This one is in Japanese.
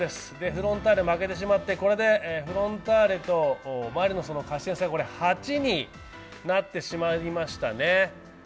フロンターレ負けてしまって、これでフロンターレとマリノスの勝ち点差が８になってしまいましたね。